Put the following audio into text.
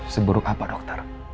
seburuk apa dokter